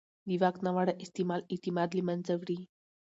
د واک ناوړه استعمال اعتماد له منځه وړي